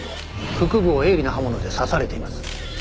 腹部を鋭利な刃物で刺されています。